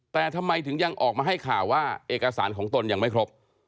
แต่ทำไมถึงยังออกมาให้ข่าวว่าเอกสารของตนยังไม่ครบ